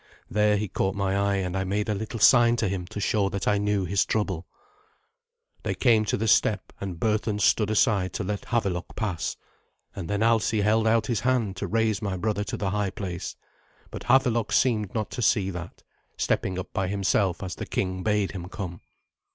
There he caught my eye, and I made a little sign to him to show that I knew his trouble. They came to the step, and Berthun stood aside to let Havelok pass, and then Alsi held out his hand to raise my brother to the high place. But Havelok seemed not to see that, stepping up by himself as the king bade him come.